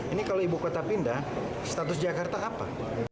ini kalau ibu kota pindah status jakarta apa